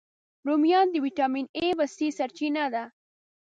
رومیان د ویټامین A، C سرچینه ده